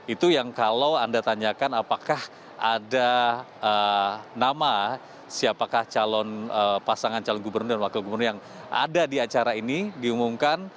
itu yang kalau anda tanyakan apakah ada nama siapakah pasangan calon gubernur dan wakil gubernur yang ada di acara ini diumumkan